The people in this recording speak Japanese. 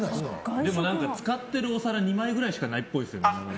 でも使ってるお皿２枚ぐらいしかないっぽいよね。